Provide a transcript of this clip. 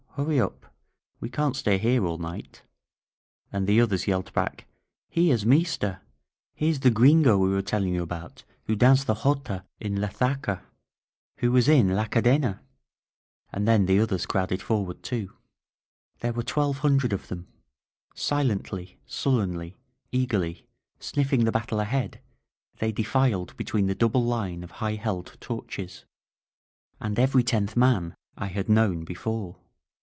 Hurry up! We can't stay here all night !" And the others yelled back : "Here's meester ! Here's the Gringo we were telling you about who danced the jota in La Zarca! Who was in La Ca dena !" And then the others crowded forward too. There were twelve hundred of them. Silently, sul lenly, eagerly, sniffing the battle ahead, they defiled between the double line of high held torches. And every tenth man I had known before.